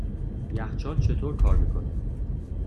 یخچال چطور کار میکند؟